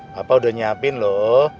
papa udah nyiapin loh